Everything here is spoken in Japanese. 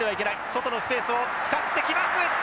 外のスペースを使ってきます。